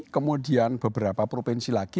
kemudian beberapa provinsi lagi